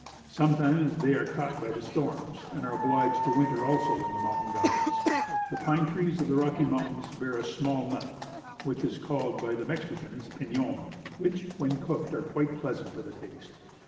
Sometimes they are caught by the storms, and are obliged to winter also in the mountain valleys. The pine trees of the Rocky Mountains bear a small nut, which is called by the Mexicans piñon, which, when cooked, are quite pleasant to the taste.